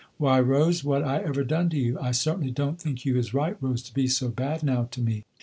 "Why Rose, what I ever done to you, I certainly don't think you is right Rose to be so bad now to me."